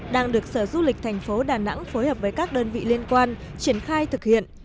đang được sở du lịch thành phố đà nẵng phối hợp với các đơn vị liên quan triển khai thực hiện